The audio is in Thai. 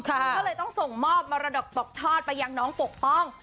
ก็เลยต้องส่งมอบมรดกตกทอดไปยังน้องปกป้อง